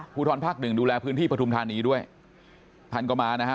ทรภาคหนึ่งดูแลพื้นที่ปฐุมธานีด้วยท่านก็มานะฮะ